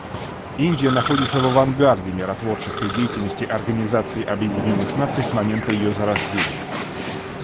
Индия находится в авангарде миротворческой деятельности Организации Объединенных Наций с момента ее зарождения.